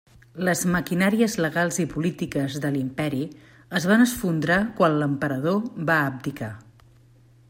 Les maquinàries legals i polítiques de l'Imperi es van esfondrar quan l'emperador va abdicar.